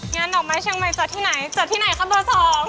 ดอกไม้เชียงใหม่จัดที่ไหนจัดที่ไหนครับเบอร์สอง